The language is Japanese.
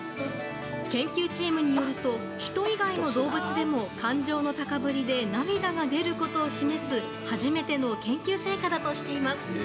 研究チームによると人以外の動物でも感情の高ぶりで涙が出ることを示す初めての研究成果だとしいます。